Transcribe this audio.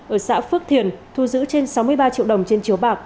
ở xã phước thiền thu giữ trên sáu mươi ba triệu đồng trên chiếu bạc